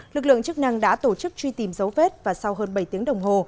lực lượng chức năng đã tổ chức truy tìm dấu vết và sau hơn bảy tiếng đồng hồ